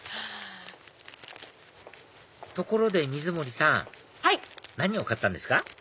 ところで水森さんはい！何を買ったんですか？